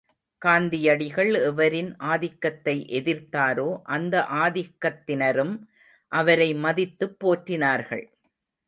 காந்தியடிகள் எவரின் ஆதிக்கத்தை எதிர்த்தாரோ, அந்த ஆதிக்கத்தினரும் அவரை மதித்துப் போற்றினார்கள்.